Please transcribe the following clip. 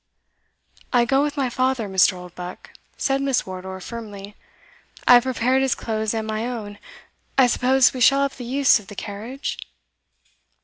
"I go with my father, Mr. Oldbuck," said Miss Wardour firmly "I have prepared his clothes and my own I suppose we shall have the use of the carriage?"